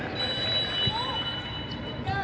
สวัสดีครับ